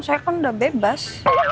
saya kan udah bebas